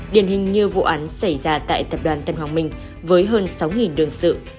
điển hình như vụ án xảy ra tại tập đoàn tân hoàng minh với hơn sáu đương sự